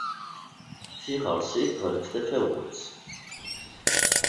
Tiɣɣersi teɣleb tafawet.